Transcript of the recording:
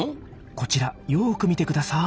こちらよく見てください。